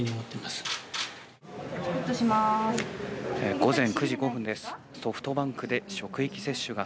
午前９時５分です。